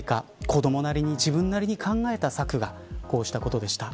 子どもなりに自分なりに考えた策がこうしたことでした。